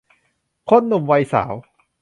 คนวัยหนุ่มสาว